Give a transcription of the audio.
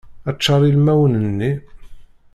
Ččar ilmawen-nni.